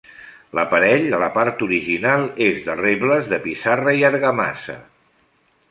L'aparell a la part original és de rebles de pissarra i argamassa.